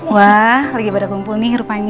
wah lagi pada kumpul nih rupanya